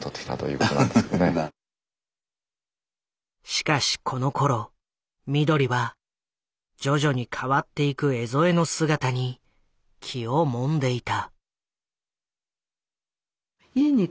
しかしこのころ碧は徐々に変わっていく江副の姿に気をもんでいた。